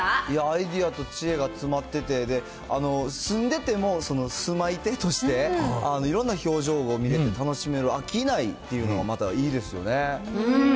いや、アイデアと知恵が詰まってて、住んでても、住まい手としていろんな表情を見れて楽しめる、飽きないっていうのがまたいいですよね。